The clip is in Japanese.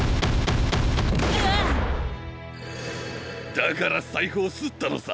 だからさいふをすったのさ。